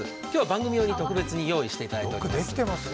今日は番組用に特別に用意していただいています。